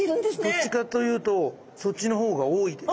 どっちかというとそっちの方が多いです。